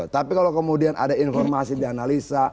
tapi kalau kemudian ada informasi di analisa